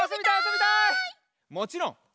もちろん！